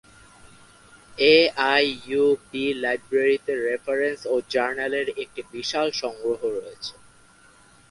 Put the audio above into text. A I U B লাইব্রেরিতে reference ও জার্নালের একটি বিশাল সংগ্রহ রয়েছে।